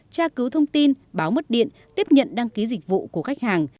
tra cứu thông tin báo mất điện tiếp nhận đăng ký dịch vụ của khách hàng